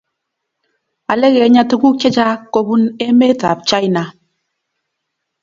ale kenya tuguk chechak kobun emet ab china